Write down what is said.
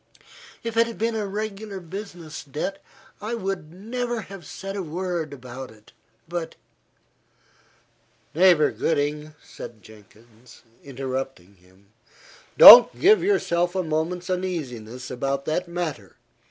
If it had been a regular business debt, I would never have said a word about it, but" "Neighbour Gooding," said Jenkins, interrupting him, "don't give yourself a moment's uneasiness about that matter.